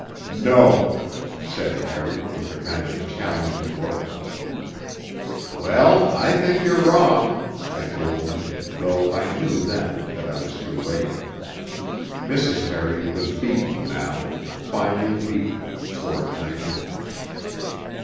'No,' said Harry, with a kind of challenging look. 'Well, I think you're wrong ' I told him, though I knew then that I was too late. Mrs. Harry was beaten now, finally beaten, poor thing....